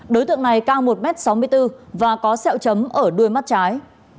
đối tượng này cao một m sáu mươi bốn và có sẹo chấm ở đuôi mắt trái